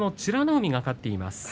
海が勝っています。